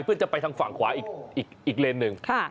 เพื่อจะไปทางฝั่งขวาอีกเลนหนึ่ง